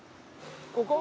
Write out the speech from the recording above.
ここ？